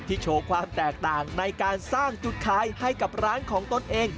โชว์ความแตกต่างในการสร้างจุดขายให้กับร้านของตนเอง